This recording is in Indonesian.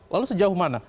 lalu sejauh mana